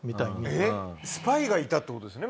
スパイがいたって事ですよね？